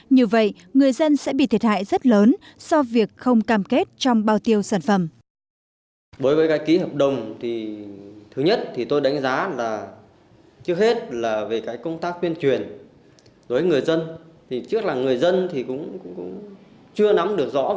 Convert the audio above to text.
như vậy người dân sẽ bị thiệt hại rất lớn do việc không cam kết trong bao tiêu sản phẩm